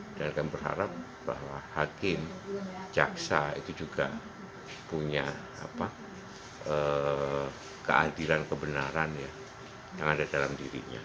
dan saya berharap bahwa hakim jaksa itu juga punya keadilan kebenaran yang ada dalam dirinya